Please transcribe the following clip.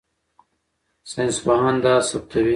ساینسپوهان دا ثبتوي.